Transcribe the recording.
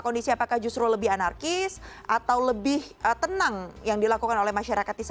kondisi apakah justru lebih anarkis atau lebih tenang yang dilakukan oleh masyarakat di sana